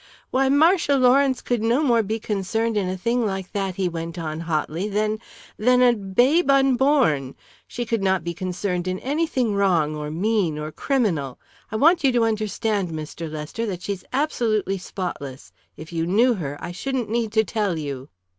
"Why, Marcia Lawrence could no more be concerned in a thing like that," he went on hotly, "than than a babe unborn. She could not be concerned in anything wrong, or mean, or criminal. I want you to understand, Mr. Lester, that she's absolutely spotless. If you knew her, I shouldn't need to tell you."